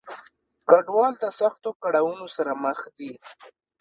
کډوال د سختو کړاونو سره مخ دي.